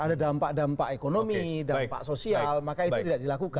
ada dampak dampak ekonomi dampak sosial maka itu tidak dilakukan